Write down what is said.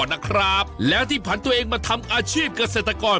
ประจำมาก่อนนะครับและที่ผ่านตัวเองมาทำอาชีพเกษตรกร